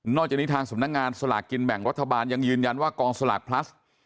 จากนี้ทางสำนักงานสลากกินแบ่งรัฐบาลยังยืนยันว่ากองสลากพลัส